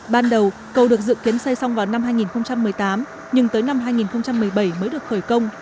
ban đầu cầu được dự kiến xây xong vào năm hai nghìn một mươi tám nhưng tới năm hai nghìn một mươi bảy mới được khởi công